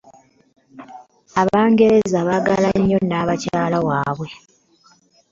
Abangereza baagala nnyo Naabakyala waabwe.